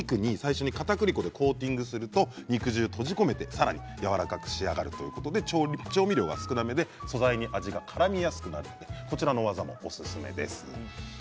ちなみに下のお肉に最初にかたくり粉でコーティングすると肉汁を閉じ込めてさらにやわらかく仕上がるということで調味料が少なめで素材に味がからみやすくなるこちらの技もおすすめです。